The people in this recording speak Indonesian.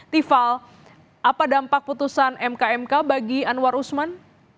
tifal apa dampak putusan mk mk bagi anwar usman